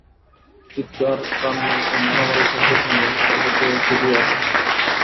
চিৎকার, কান্না ও মারামারির শব্দ শুনিয়া সর্বজয়া ছুটিয়া আসিল।